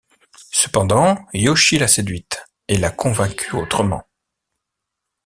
Cependant, Yoshi l'a séduite et l'a convaincue autrement.